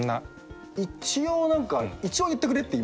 一応何か一応言ってくれって言います。